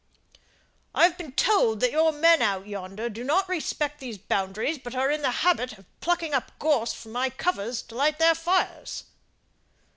"I have been told that your men out yonder do not respect these boundaries, but are in the habit of plucking up gorse from my covers to light their fires."